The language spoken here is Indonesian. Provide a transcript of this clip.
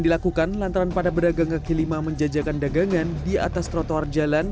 dilakukan lantaran pada pedagang kaki lima menjajakan dagangan di atas trotoar jalan